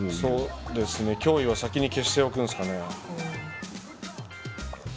脅威は先に消しておくんですかね。